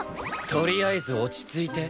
とりあえず落ち着いて。